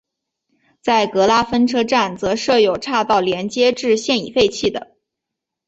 在格拉芬车站则设有岔道连接至现已废弃的。